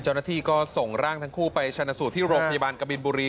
เจ้าหน้าที่ก็ส่งร่างทั้งคู่ไปชนะสูตรที่โรงพยาบาลกบินบุรี